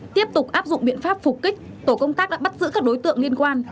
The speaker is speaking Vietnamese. tiếp tục áp dụng biện pháp phục kích tổ công tác đã bắt giữ các đối tượng liên quan